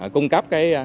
cung cấp cái